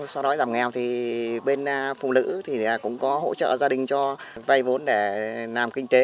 sau đó giảm nghèo thì bên phụ nữ thì cũng có hỗ trợ gia đình cho vay vốn để làm kinh tế